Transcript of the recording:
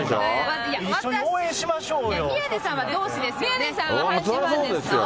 一緒に応援しましょうよ。